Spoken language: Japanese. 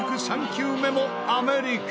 ３球目もアメリカ。